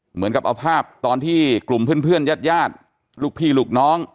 เหมือนกับเอาภาพตอนที่กลุ่มเพื่อนญาติญาติลูกพี่ลูกน้อง